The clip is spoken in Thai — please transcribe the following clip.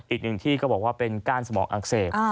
อีกหนึ่งที่ก็บอกว่าเป็นก้านสมองอักเสบ